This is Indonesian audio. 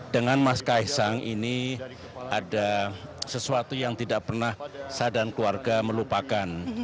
dengan mas kaisang ini ada sesuatu yang tidak pernah saya dan keluarga melupakan